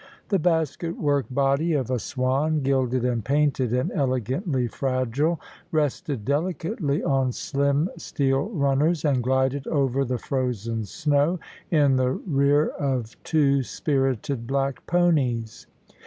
The basketwork body of a swan, gilded and painted and elegantly fragile, rested delicately on slim steel runners, and glided over the frozen snow in the rear of two spirited black ponies.